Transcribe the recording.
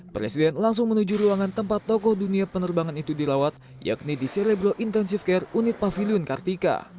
presiden langsung menuju ruangan tempat tokoh dunia penerbangan itu dirawat yakni di celebro intensive care unit pavilion kartika